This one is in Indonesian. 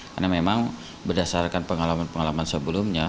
karena memang berdasarkan pengalaman pengalaman sebelumnya